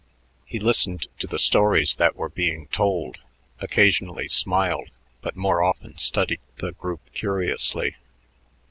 He listened to the stories that were being told, occasionally smiled, but more often studied the group curiously.